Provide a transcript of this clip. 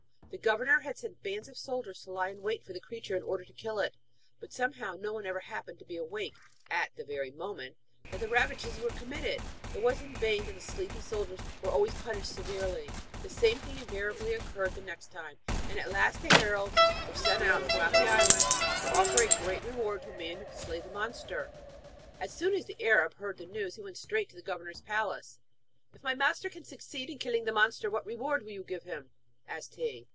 The governor had sent bands of soldiers to lie in wait for the creature in order to kill it; but, somehow, no one ever happened to be awake at the moment that the ravages were committed. It was in vain that the sleepy soldiers were always punished severely the same thing invariably occurred next time; and at last heralds were sent throughout the island to offer a great reward to the man who could slay the monster. As soon as the Arab heard the news, he went straight to the governor's palace. 'If my master can succeed in killing the monster, what reward will you give him?' asked he.